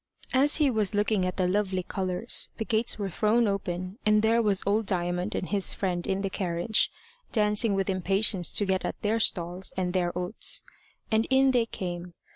As he was looking at the lovely colours, the gates were thrown open, and there was old Diamond and his friend in the carriage, dancing with impatience to get at their stalls and their oats. And in they came.